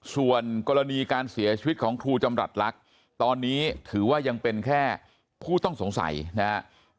ส่วนกรณีการเสียชีวิตของครูจำรัฐลักษณ์ตอนนี้ถือว่ายังเป็นแค่ผู้ต้องสงสัยนะครับ